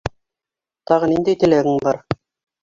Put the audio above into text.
— Тағы ниндәй теләгең бар?